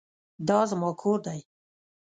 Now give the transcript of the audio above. دا زما کور دی.